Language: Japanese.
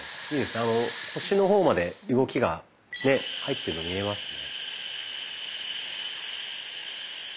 あの腰の方まで動きが入ってるの見えますね。